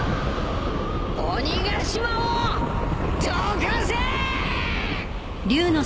鬼ヶ島をどかせー！